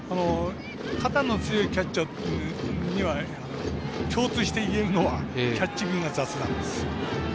肩の強いキャッチャーには共通して言えるのはキャッチングが雑なんです。